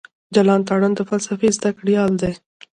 جلال تارڼ د فلسفې زده کړيال دی.